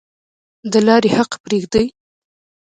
د لارې حق پریږدئ؟